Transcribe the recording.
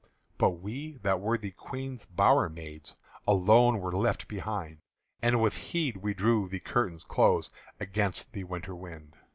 But we that were the Queen's bower maids Alone were left behind; And with heed we drew the curtains close Against the winter wind.